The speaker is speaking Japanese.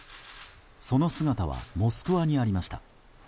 その姿はモスクワにありました。